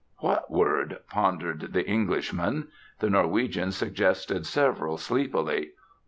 "What word?" pondered the Englishman. The Norwegian suggested several, sleepily.